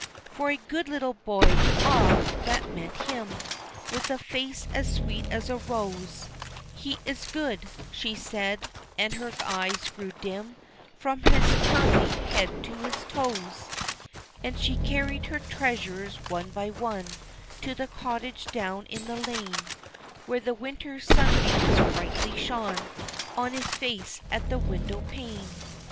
"For a good little boy," ah, that meant him, With a face as sweet as a rose, "He is good," she said, and her eyes grew dim, "From his curly head to his toes." And she carried her treasures one by one To the cottage down in the lane, Where the winter sunbeams brightly shone On his face at the window pane.